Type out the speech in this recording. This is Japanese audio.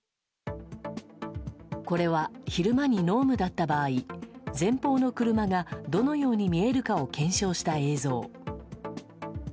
これは、昼間に濃霧だった場合前方の車がどのように見えるかを検証した映像。